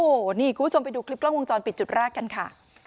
โอ้โหนี่คุณผู้ชมไปดูคลิปกล้องวงจรปิดจุดแรกกันค่ะ